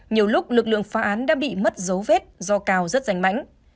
nhiều lúc lực lượng phá án đã bị mất dấu vết do cao rất rảnh mảnh